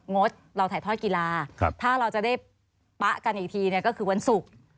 งดเราถ่ายทอดกีฬาถ้าเราจะได้ปะกันอีกทีเนี่ยก็คือวันศุกร์